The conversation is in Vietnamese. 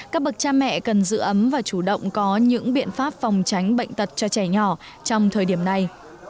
các bậc cha mẹ cần giữ ấm và chủ động có những biện pháp phòng tránh bệnh tật cho trẻ nhỏ trong thời điểm này